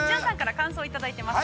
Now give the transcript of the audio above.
感想いただいてます。